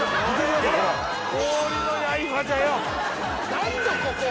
何℃ここ？